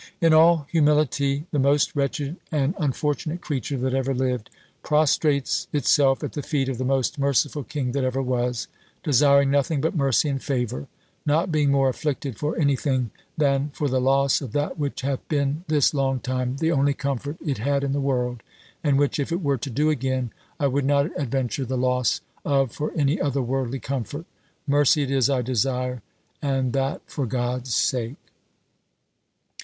"In all humility, the most wretched and unfortunate creature that ever lived, prostrates itselfe at the feet of the most merciful king that ever was, desiring nothing but mercy and favour, not being more afflicted for anything than for the losse of that which hath binne this long time the onely comfort it had in the world, and which, if it weare to do again, I would not adventure the losse of for any other worldly comfort; mercy it is I desire, and that for God's sake!"